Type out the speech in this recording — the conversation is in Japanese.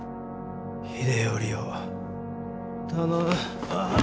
秀頼を頼む。